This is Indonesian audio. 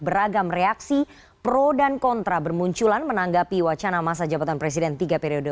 beragam reaksi pro dan kontra bermunculan menanggapi wacana masa jabatan presiden tiga periode